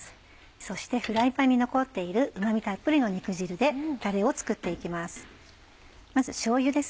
そしてフライパンに残っているうま味たっぷりの肉汁でタレを作って行きます。